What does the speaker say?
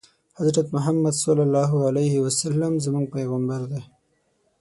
حضرت محمد ص زموږ پیغمبر دی